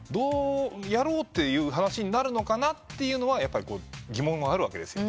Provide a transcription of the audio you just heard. やろうっていう話になるのかなというのはやっぱり疑問はあるわけですよ。